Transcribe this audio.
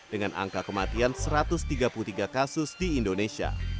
dengan angka kematian satu ratus tiga puluh tiga kasus di indonesia